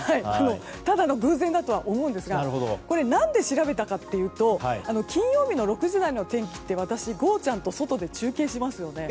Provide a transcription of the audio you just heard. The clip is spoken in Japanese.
ただの偶然だと思うんですがこれは、なぜ調べたかというと金曜日の６時台の天気って私、ゴーちゃん。と外で中継しますよね。